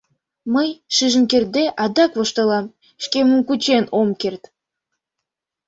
Мый, шижын кертде, адак воштылам, шкемым кучен ом керт.